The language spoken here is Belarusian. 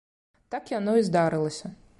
Так яно і здарылася.